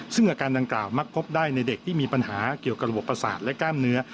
ซึ่งอาการดังกล่าวมักพบได้ในเด็กที่มีปัญหาเกี่ยวกับระบบประสาทและกล้ามเนื้อ